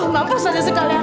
ngapain saja sih kalian